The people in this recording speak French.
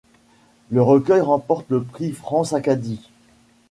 Le recueil remporte le prix France-Acadie.